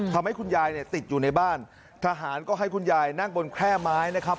คุณยายเนี่ยติดอยู่ในบ้านทหารก็ให้คุณยายนั่งบนแคร่ไม้นะครับ